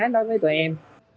đối với tụi em